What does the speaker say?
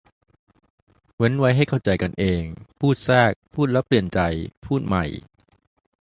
เว้นไว้ให้เข้าใจกันเอง พูดแทรก พูดแล้วเปลี่ยนใจ พูดใหม่